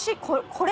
これ。